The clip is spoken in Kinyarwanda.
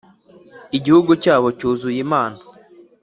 Igihugu cyabo cyuzuye imana